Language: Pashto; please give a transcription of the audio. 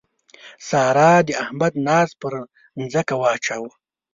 سارا د احمد ناز پر ځمکه واچاوو.